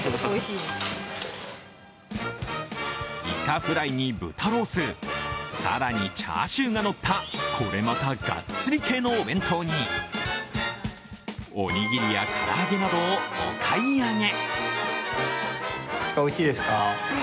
イカフライに豚ロース、更に、チャーシューがのったこれまたガッツリ系のお弁当におにぎりやから揚げなどをお買い上げ。